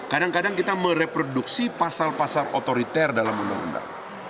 kadang kadang kita mereproduksi pasal pasal otoriter dalam anggaran